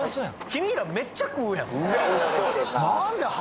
君らめっちゃ食うやんうわ